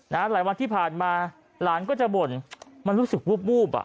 หลายวันที่ผ่านมาหลานก็จะบ่นมันรู้สึกวูบอ่ะ